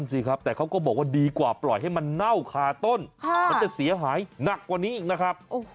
สิครับแต่เขาก็บอกว่าดีกว่าปล่อยให้มันเน่าคาต้นมันจะเสียหายหนักกว่านี้อีกนะครับ